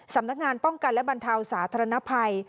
สำนักงานป้องกันและบรรเทาสาธารณภัย